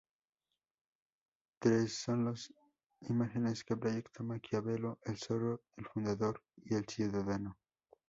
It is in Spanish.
Tres son las imágenes que proyecta Maquiavelo: El Zorro, el Fundador y el Ciudadano.